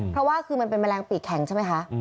เพราะว่าคือมันเป็นแมลงปีกแข็งใช่ไหมคะ